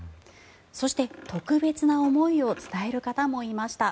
そして、特別な思いを伝える方もいました。